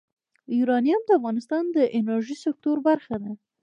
یورانیم د افغانستان د انرژۍ سکتور برخه ده.